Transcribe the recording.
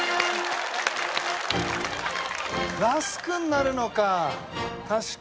ラスクになるのか。